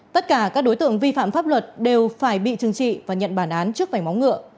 tất cả các đối tượng vi phạm pháp luật đều phải bị trừng trị và nhận bản án trước vảy móng ngựa